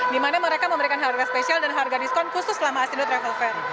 dimana mereka memberikan harga spesial dan harga diskon khusus selama asidu travel fair